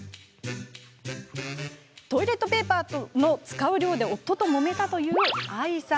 トイレットペーパーの使う量で夫ともめたという、あいさん。